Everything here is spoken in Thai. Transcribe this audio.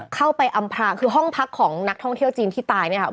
เข้าไปอำภาคือห้องพักของนักท่องเที่ยวจีนที่ตายนี่ครับ